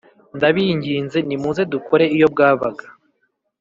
Ndabinginze nimuze dukore iyo bwabaga